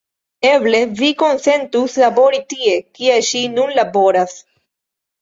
Eble vi konsentus labori tie, kie ŝi nun laboras.